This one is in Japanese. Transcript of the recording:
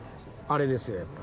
あれです。